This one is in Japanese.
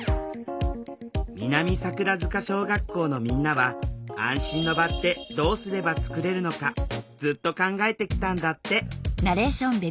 南桜塚小学校のみんなは安心の場ってどうすればつくれるのかずっと考えてきたんだって。